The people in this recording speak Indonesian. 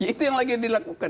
itu yang lagi dilakukan